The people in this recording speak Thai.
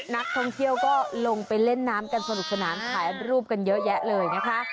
นักท่องเที่ยวก็ลงไปเล่นน้ำกันสนุกสนานถ่ายรูปกันเยอะแยะเลยนะคะ